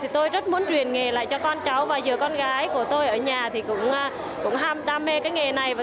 tôi rất muốn truyền nghề lại cho con cháu và con gái của tôi ở nhà cũng đam mê nghề này